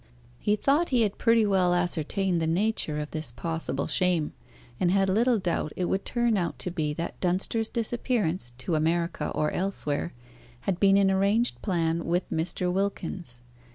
He thought he had pretty well ascertained the nature of this possible shame, and had little doubt it would turn out to be that Dunster's disappearance, to America or elsewhere, had been an arranged plan with Mr. Wilkins.